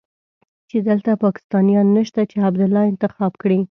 چې دلته پاکستانيان نشته چې عبدالله انتخاب کړي.